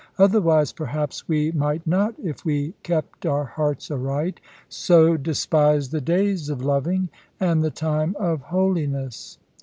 Otherwise, perhaps, we might not, if we kept our hearts aright, so despise the days of loving, and the time of holiness.